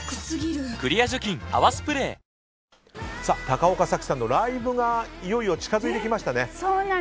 高岡早紀さんのライブがいよいよ近づいてきましたね。